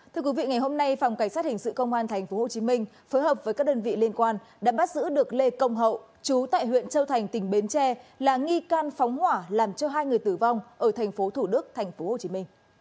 thưa quý vị ngày hôm nay phòng cảnh sát hình sự công an tp hcm phối hợp với các đơn vị liên quan đã bắt giữ được lê công hậu chú tại huyện châu thành tỉnh bến tre là nghi can phóng hỏa làm cho hai người tử vong ở tp thủ đức tp hcm